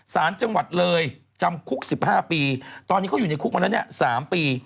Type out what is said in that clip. สารจังหวัดเลยจำคุก๑๕ปีตอนนี้เขาอยู่ในคุกมาแล้วเนี่ย๓ปี